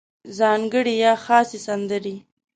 ځانګړې یا خاصې سندرې